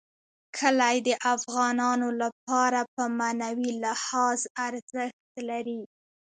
کلي د افغانانو لپاره په معنوي لحاظ ارزښت لري.